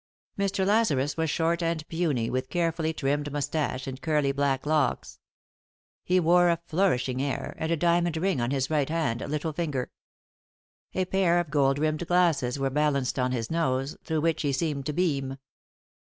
Mr. Lazarus was short and puny, with carefully trimmed moustache and curly black locks. He wore a flourish ing air, and a diamond ring on his right hand little finger. A pah* of gold rimmed glasses were balanced on his nose, through which he seemed to beam.